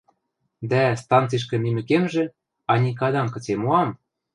Дӓ, станцишкӹ мимӹкемжӹ, Аникадам кыце моам?